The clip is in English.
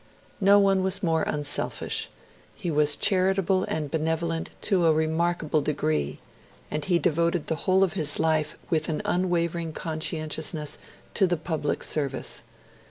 No one was more unselfish; he was charitable and benevolent to a remarkable degree; and he devoted the whole of his life, with an unwavering conscientiousness, to the public service.